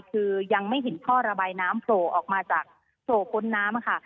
คือยังไม่เห็นท่อระบายน้ำโผล่ออกมาจากโผล่พ้นน้ำค่ะ